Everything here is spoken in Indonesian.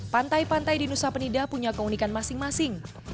pantai pantai di nusa penida punya keunikan masing masing